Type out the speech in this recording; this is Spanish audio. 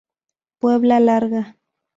Puebla Larga.